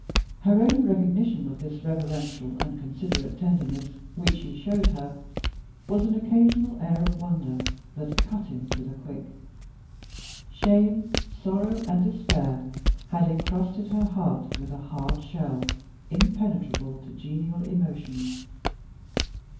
Her only recognition of the reverential and considerate tenderness which he showed her was an occasional air of wonder that cut him to the quick. Shame, sorrow, and despair had incrusted her heart with a hard shell, impenetrable to genial emotions.